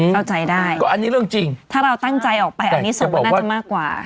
เข้าใจได้ก็อันนี้เรื่องจริงถ้าเราตั้งใจออกไปอันนี้ส่งว่าน่าจะมากกว่า